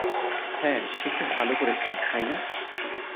হ্যাঁ, সে খুব ভাল করছে, তাই না?